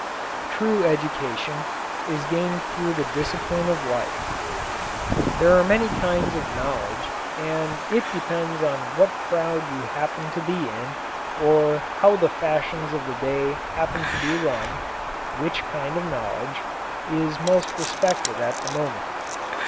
True education is gained through the discipline of life. There are many kinds of knowledge, and it depends on what crowd you happen to be in, or how the fashions of the day happen to run, which kind of knowledge, is most respected at the moment.